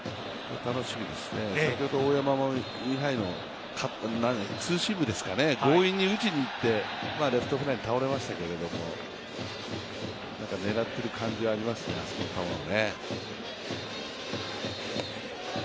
楽しみですね、先ほど大山はインハイのツーシームですかね強引に打ちにいってレフトフライに倒れましたけれども、何か狙っている感じはありますね、あそこの球を。